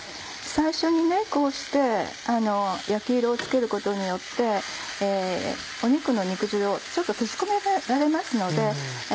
最初にこうして焼き色をつけることによって肉の肉汁をちょっと閉じ込められますので。